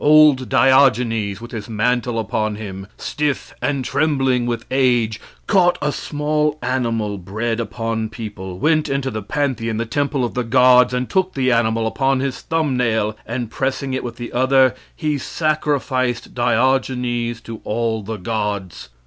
Old Diogenes, with his mantle upon him, stiff and trembling with age, caught a small animal bred upon people, went into the Pantheon, the temple of the gods, and took the animal upon his thumb nail, and, pressing it with the other, "he sacrificed Diogenes to all the gods."